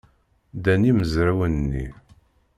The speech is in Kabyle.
Ddan yimezrawen-nni.